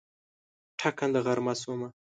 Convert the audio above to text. ټکنده غرمه شومه